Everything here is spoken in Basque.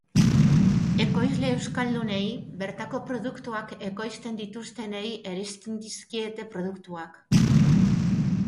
Ekoizle euskaldunei, bertako produktuak ekoizten dituztenei eristen dizkiete produktuak.